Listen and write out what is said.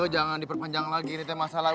jangan diperpanjang lagi ini masalah